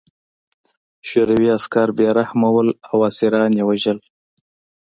شوروي عسکر بې رحمه وو او اسیران یې وژل